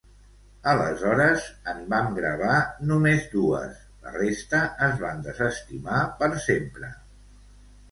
Aleshores en vam gravar només dues; la resta es van desestimar per sempre.